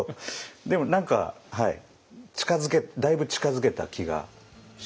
でも何かだいぶ近づけた気がしましたね。